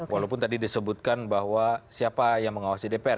walaupun tadi disebutkan bahwa siapa yang mengawasi dpr